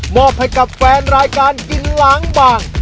อบให้กับแฟนรายการกินล้างบาง